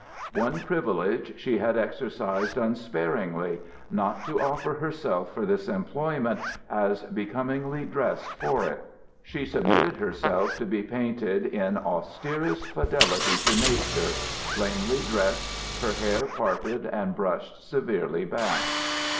One privilege she had exercised unsparingly not to offer herself for this employment as becomingly dressed for it. She submitted herself to be painted in austerest fidelity to nature, plainly dressed, her hair parted and brushed severely back.